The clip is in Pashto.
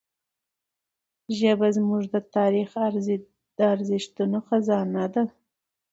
ژبه زموږ د تاریخي ارزښتونو خزانه ده.